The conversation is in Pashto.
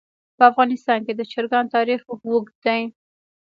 په افغانستان کې د چرګان تاریخ اوږد دی.